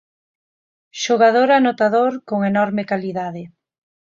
Xogador anotador, con enorme calidade.